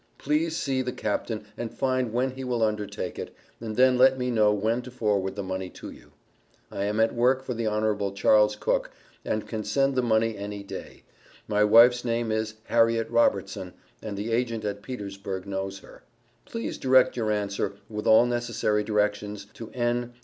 Please see the Captain and find when he will undertake it, and then let me know when to forward the money to you. I am at work for the Hon. Charles Cook, and can send the money any day. My wife's name is Harriet Robertson, and the agent at Petersburg knows her. Please direct your answer, with all necessary directions, to N.